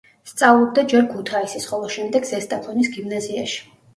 სწავლობდა ჯერ ქუთაისის, ხოლო შემდეგ ზესტაფონის გიმნაზიაში.